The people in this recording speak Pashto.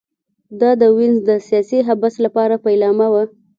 دا د وینز د سیاسي حبس لپاره پیلامه وه